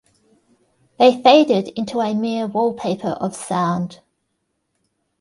They faded into a mere wallpaper of sound.